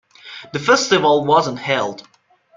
The festival wasn't held.